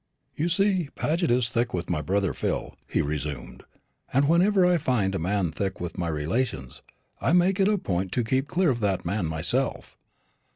"You see Paget is thick with my brother Phil," he resumed; "and whenever I find a man thick with my relations, I make it a point to keep clear of that man myself.